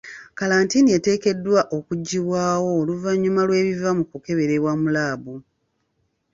Kalantiini eteekeddwa okuggibwawo oluvannyuma lw'ebiva mu kukeberebwa mu laabu.